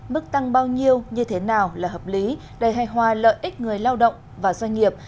mức tăng bao nhiêu như thế nào là hợp lý đầy hài hòa lợi ích người lao động và doanh nghiệp